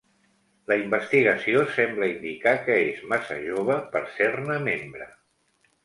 La investigació sembla indicar que és massa jove per ser-ne membre.